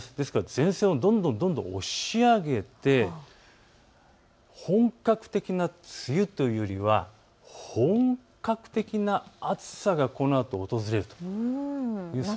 前線をどんどん押し上げて本格的な梅雨というよりは本格的な暑さがこのあと訪れると。